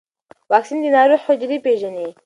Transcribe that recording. واکسین د ناروغ حجرې پېژني.